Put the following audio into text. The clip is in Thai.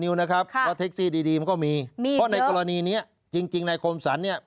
แล้วก็ก็คือเท็กซี่ดีมันก็มีแล้วในประกอบนี้จริงในคมสรรเนี่ย